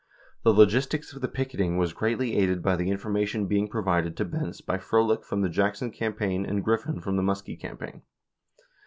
The logistics of the picketing was greatly aided by the information being provided to Benz by Frohlich from the Jackson campaign and Grifiin from the Muskie campaign.